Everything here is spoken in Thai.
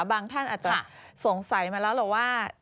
ท่านอาจจะสงสัยมาแล้วหรอกว่า